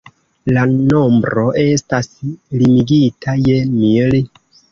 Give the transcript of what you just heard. La nombro estas limigita je mil.